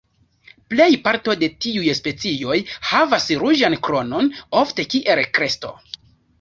Plej parto de tiuj specioj havas ruĝan kronon, ofte kiel kresto.